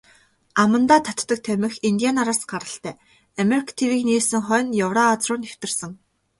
Амандаа татдаг тамхи индиан нараас гаралтай, Америк тивийг нээснээс хойно Еврази руу нэвтэрсэн.